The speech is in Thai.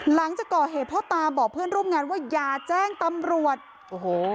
หลังจากก่อเหตุพ่อตาบอกเพื่อนร่วมงานว่าอย่าแจ้งตำรวจโอ้โห